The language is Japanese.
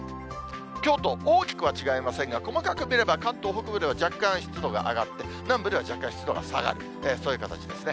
きょうと大きくは違いませんが、細かく見れば、関東北部では若干湿度が上がって、南部では若干湿度が下がる、そういう形ですね。